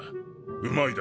うまいだろ？